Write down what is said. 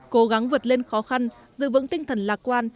cố gắng vượt lên khó khăn giữ vững tinh thần lạc quan